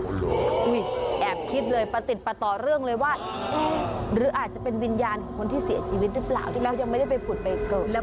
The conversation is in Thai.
แอบคิดเลยประติดประต่อเรื่องเลยว่าหรืออาจจะเป็นวิญญาณของคนที่เสียชีวิตหรือเปล่าที่เขายังไม่ได้ไปผุดไปเกิดแล้ว